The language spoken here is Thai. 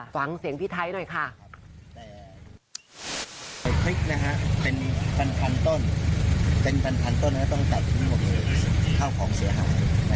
ฟังเสียงพี่ไทยหน่อยค่ะ